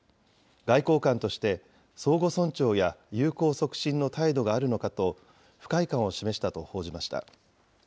外交官として相互尊重や友好促進の態度があるのかと、不快感を示したと報じました。